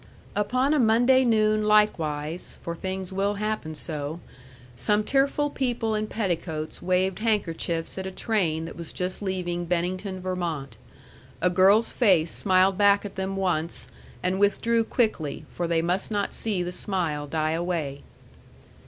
Upon a Monday noon likewise (for things will happen so) some tearful people in petticoats waved handkerchiefs at a train that was just leaving Bennington, Vermont. A girl's face smiled back at them once, and withdrew quickly, for they must not see the smile die away.